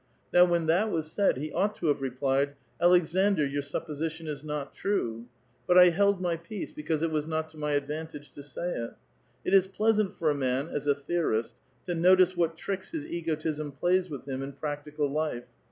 Now when that was said, he ought to have replied :' Aleksandr, your supposition is not true.' But I held my peace because it was not to my advantage to say it. It is pleasant for a man, as a theorist, to notice what tricks his egotism plays with him in practical life.